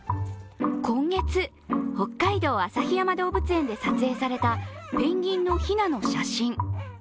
今月、北海道旭山動物園で撮影されたペンギンのひなの写真。